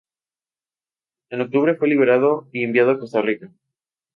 En octubre fue liberado y enviado a Costa Rica.